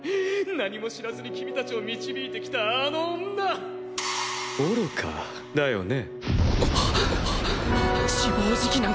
何も知らずに君たちを導いてきたあの女愚かだよね。